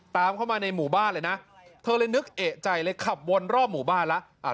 ตามเข้ามาในหมู่บ้านเลยนะเธอเลยนึกเอกใจเลยขับวนรอบหมู่บ้านแล้ว